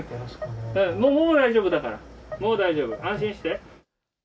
もう大丈夫だから、もう大丈夫、安心して。